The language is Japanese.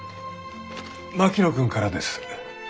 槙野君からです。